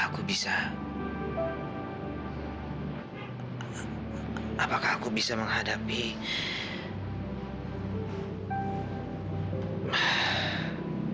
tak bisa tahan textmone bagaimana sih tahu guys